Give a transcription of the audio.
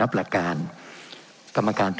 เป็นของสมาชิกสภาพภูมิแทนรัฐรนดร